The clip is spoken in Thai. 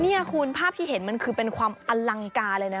นี่คุณภาพที่เห็นมันคือเป็นความอลังการเลยนะ